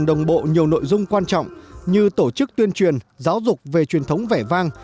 đồng bộ nhiều nội dung quan trọng như tổ chức tuyên truyền giáo dục về truyền thống vẻ vang